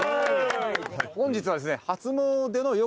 本日はですね。